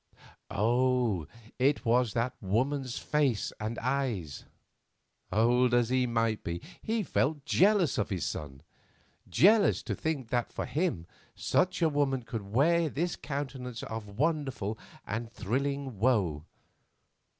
Oh! it was that woman's face and eyes. Old as he might be, he felt jealous of his son; jealous to think that for him such a woman could wear this countenance of wonderful and thrilling woe.